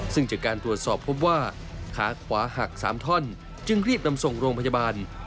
ซึ่งจากการตรวจสอบพบว่าขาขวาหัก๓ท่อนจึงรีบนำส่งโรงพยาบาล